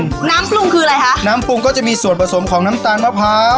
น้ำปรุงคืออะไรคะน้ำปรุงก็จะมีส่วนผสมของน้ำตาลมะพร้าว